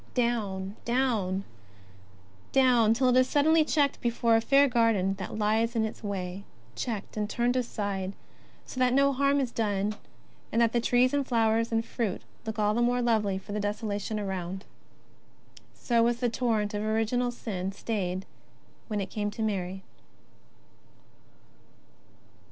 Down, down, till it is suddenly checked before a fair garden that lies in its way; checked and turned aside, so that no harm is done, and the trees and flowers and fruit look all the more lovely for the desolation around. So was the torrent of original sin stayed when it came to Mary.